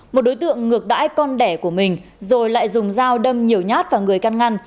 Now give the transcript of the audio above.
một đối tượng ngược đãi con đẻ của mình rồi lại dùng dao đâm nhiều nhát vào người căn ngăn